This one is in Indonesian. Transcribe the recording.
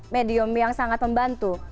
medium yang sangat membantu